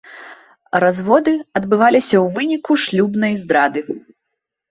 Разводы адбываліся ў выніку шлюбнай здрады.